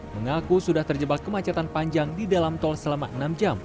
mengaku sudah terjebak kemacetan panjang di dalam tol selama enam jam